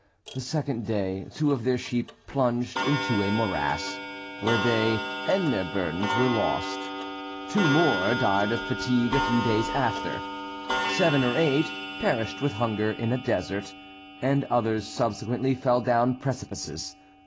The second day two of their sheep plunged into a morass, where they and their burdens were lost; two more died of fatigue a few days after; seven or eight perished with hunger in a desert; and others subsequently fell down precipices.